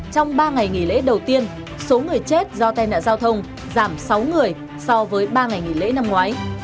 trong ba ngày nghỉ lễ đầu tiên số người chết do tai nạn giao thông giảm sáu người so với ba ngày nghỉ lễ năm ngoái